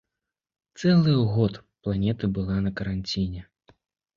Цэлы год планета была на каранціне.